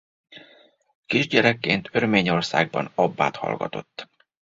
Kisgyerekként Örményországban Abbát hallgatott.